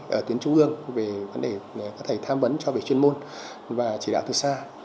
và tuyến trung ương về vấn đề các thầy tham vấn cho về chuyên môn và chỉ đạo từ xa